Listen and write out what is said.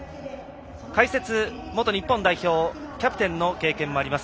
解説、元日本代表キャプテンの経験もあります